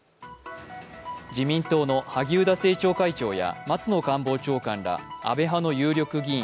自民党の萩生田政調会長や松野官房長官ら安倍派の有力議員